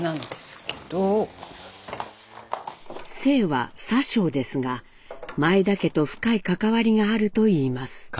姓は佐生ですが前田家と深い関わりがあるといいます。